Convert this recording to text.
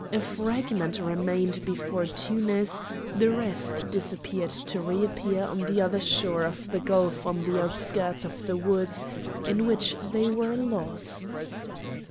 A fragment remained before Tunis, the rest disappeared to re appear on the other shore of the gulf on the outskirts of the woods in which they were lost.